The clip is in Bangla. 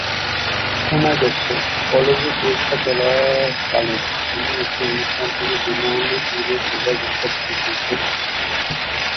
শোনা গেছে, কলেজে পরীক্ষা চলাকালীন, তিনি একটি অনুষ্ঠান থেকে বিমানে ফিরে সোজা পরীক্ষা দিতে গিয়েছিলেন।